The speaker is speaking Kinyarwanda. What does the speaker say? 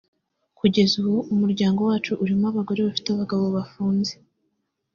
kugeza ubu umuryango wacu urimo abagore bafite abagabo bafunze